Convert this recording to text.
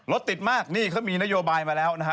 รถติดมากนี่เขามีนโยบายมาแล้วนะฮะ